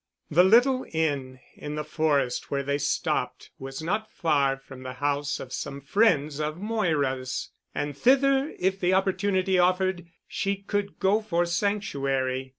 The little inn in the Forest where they stopped was not far from the house of some friends of Moira's, and thither if the opportunity offered, she could go for sanctuary.